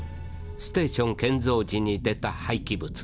ステーション建造時に出たはいき物。